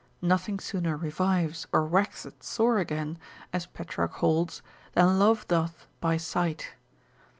Nothing sooner revives, or waxeth sore again, as Petrarch holds, than love doth by sight.